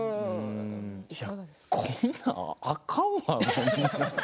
いや、こんなん、あかんわ。